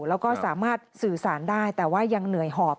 แล้วก็สามารถสื่อสารได้แต่ว่ายังเหนื่อยหอบ